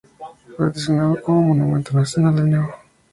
Fue designado como Monumento Nacional no.